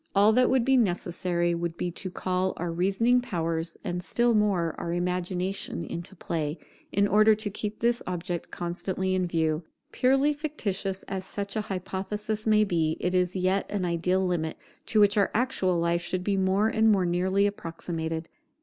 All that would be necessary would be to call our reasoning powers, and still more, our imagination into play, in order to keep this object constantly in view. Purely fictitious as such an hypothesis may be, it is yet an ideal limit, to which our actual life should be more and more nearly approximated.